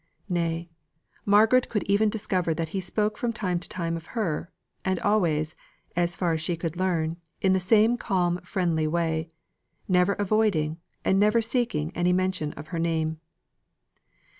Nay, Margaret could even discover that he spoke from time to time of her, and always, as far as she could learn, in the same calm friendly way, never avoiding and never seeking any mention of her name.